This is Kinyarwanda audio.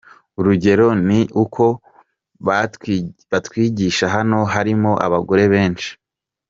Urugero ni uko mu batwigisha hano harimo abagore benshi.